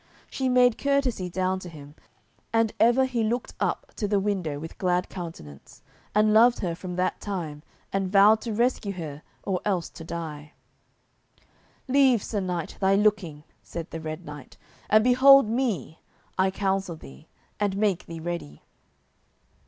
She made courtesy down to him, and ever he looked up to the window with glad countenance, and loved her from that time and vowed to rescue her or else to die. "Leave, Sir Knight, thy looking," said the Red Knight, "and behold me, I counsel thee, and make thee ready."